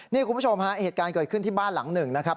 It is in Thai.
นี่คุณผู้ชมฮะเหตุการณ์เกิดขึ้นที่บ้านหลังหนึ่งนะครับ